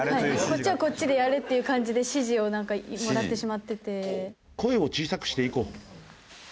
こっちはこっちでやれっていう感じで指示をもらってしまってて。